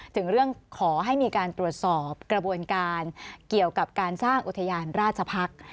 ถึงเรื่องขอให้มีการตรวจสอบกระบวนการเกี่ยวกับการสร้างอุทยานราชพักษ์